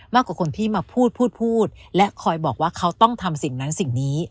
คนที่มาพูดพูดและคอยบอกว่าเขาต้องทำสิ่งนั้นสิ่งนี้